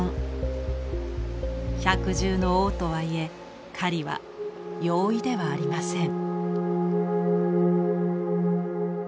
百獣の王とはいえ狩りは容易ではありません。